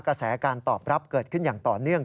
กระแสการตอบรับเกิดขึ้นอย่างต่อเนื่อง